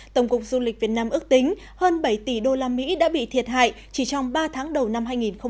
tổng cục du lịch việt nam ước tính hơn bảy tỷ đô la mỹ đã bị thiệt hại chỉ trong ba tháng đầu năm hai nghìn hai mươi